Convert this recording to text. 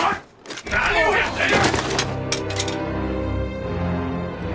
何をやっている！